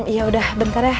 yaudah bentar ya